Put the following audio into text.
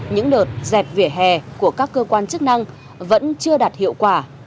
những đợt dẹp vỉa hè của các cơ quan chức năng vẫn chưa đạt hiệu quả